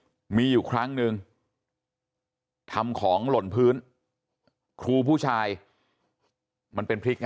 อยู่มีอยู่ครั้งหนึ่งทำของหล่นพื้นครูผู้ชายมันเป็นพริกไง